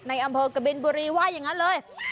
อำเภอกบินบุรีว่าอย่างนั้นเลย